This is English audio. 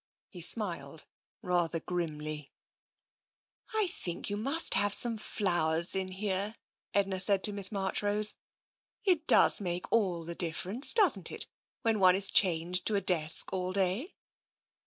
He smiled rather grimly. " I think you must have some flowers in here," Edna said to Miss Marchrose. " It does make all the differ ence, doesn't it, when one is chained to a desk all day?